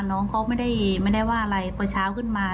น้องเขาไม่ได้ว่าอะไรพอเช้าขึ้นมา